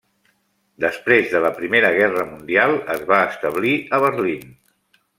Després de la Primera Guerra Mundial es va establir a Berlín.